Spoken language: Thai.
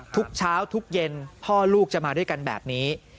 ทุกเช้าทุกเย็นพ่อลูกจะมาด้วยกันแบบนี้